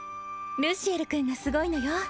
ルシエル君がすごいのよ